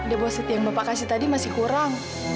debo setiap yang bapak kasih tadi masih kurang